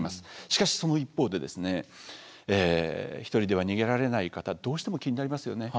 しかしその一方で一人では逃げられない方どうしても気になりますよね。